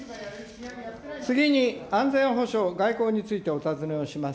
次に、安全保障・外交についてお尋ねをします。